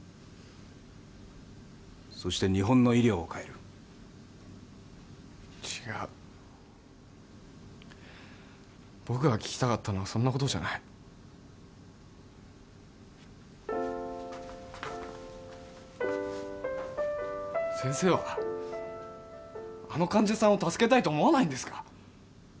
そして日本の医療を変える違う僕が聞きたかったのはそんなことじゃない先生はあの患者さんを助けたいとは思わないんですか？